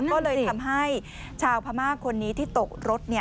ก็เลยทำให้ชาวพม่าคนนี้ที่ตกรถ